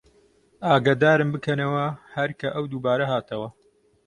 ئاگەدارم بکەنەوە هەر کە ئەو دووبارە هاتەوە